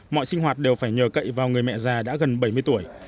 mọi sinh hoạt đều phải nhờ cậy vào người mẹ già đã gần bảy mươi tuổi